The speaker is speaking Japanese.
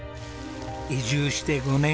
移住して５年。